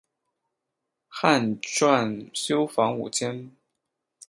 汉纂修房五间。